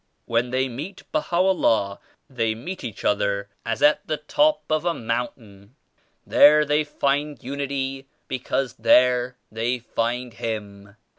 When they meet Baha'u'llah they meet each other as at the top of a mountain. There they find unity because there they find Him.